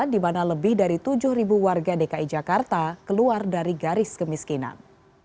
di mana lebih dari tujuh warga dki jakarta keluar dari garis kemiskinan